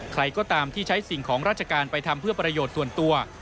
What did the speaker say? ใครก็ตามที่ใช้สิ่งของราชการไปทำเพื่อประโยชน์ส่วนตัว